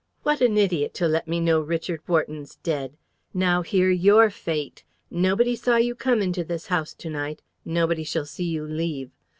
What an idiot to let me know Richard Wharton's dead! Now, hear your fate! Nobody saw you come into this house to night. Nobody shall see you leave.